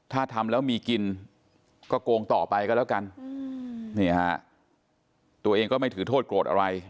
ถ้าทำแล้วมีกินก็โกงต่อไปก็แล้วกันนี่ฮะตัวเองก็ไม่ถือโทษโกรธอะไร